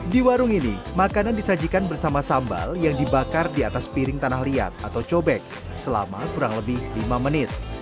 di warung ini makanan disajikan bersama sambal yang dibakar di atas piring tanah liat atau cobek selama kurang lebih lima menit